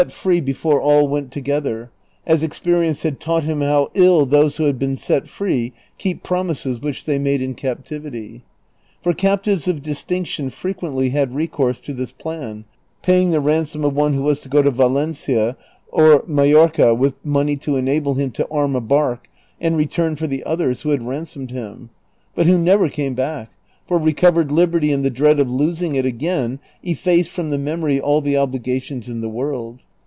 free before all went together, as experience had taught him how ill those who have been set free keep promises which they made in captivity ; for captives of distinction frequently had recourse to this plan, paying the ransom of one who was to go to Valencia or Majorca with money to enable him to arm a bark and return for the others who had ransomed him ; but who never came back ; for recovered liberty and the dread of losing it again eft'ace from the memory all the obligations in the world.